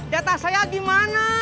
jatah saya gimana